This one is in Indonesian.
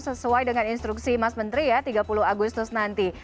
sesuai dengan instruksi mas menteri ya tiga puluh agustus nanti